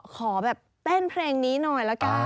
ขอแบบเต้นเพลงนี้หน่อยละกัน